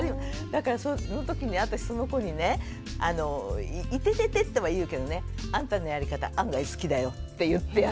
だからそのときに私その子にねイテテテとは言うけどね「あんたのやり方案外好きだよ」って言ってやった。